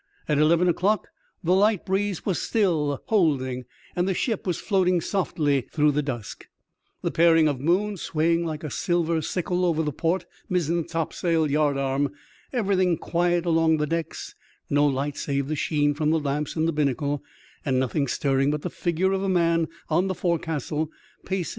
At eleven o'clock, the light breeze was still holding, and the ship was floating softly through the dusk, the paring of moon swaying like a silver sickle over the port mizzen topsail yardarm, everything quiet along the decks, no light save the sheen from the, lamps in the binnacle, and nothing stirring but the figure of a man on the forecastle pacing.